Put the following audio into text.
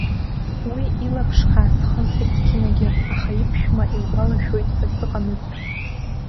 Уи илаԥш хаа схын есқьынагьы, аха иԥшәма илгәалашәоит ҳәа сыҟамызт.